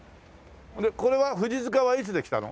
でこれは富士塚はいつできたの？